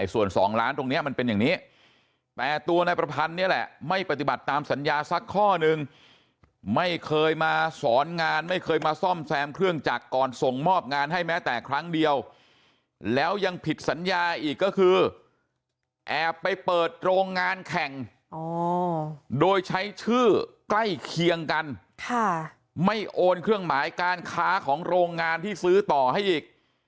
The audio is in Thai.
ส่วน๒ล้านตรงนี้มันเป็นอย่างนี้แต่ตัวนายประพันธ์เนี่ยแหละไม่ปฏิบัติตามสัญญาสักข้อนึงไม่เคยมาสอนงานไม่เคยมาซ่อมแซมเครื่องจักรก่อนส่งมอบงานให้แม้แต่ครั้งเดียวแล้วยังผิดสัญญาอีกก็คือแอบไปเปิดโรงงานแข่งโดยใช้ชื่อใกล้เคียงกันไม่โอนเครื่องหมายการค้าของโรงงานที่ซื้อต่อให้อีก